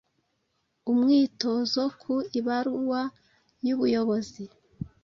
Umwitozo ku ibaruwa y’ubuyobozi